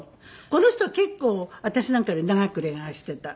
この人結構私なんかより長く恋愛してた。